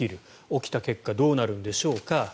起きた結果どうなるんでしょうか。